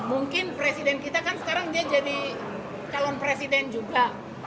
mungkin presiden kita kan sekarang dia jadi calon presiden juga